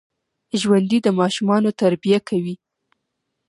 ژوندي د ماشومانو تربیه کوي